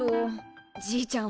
じいちゃん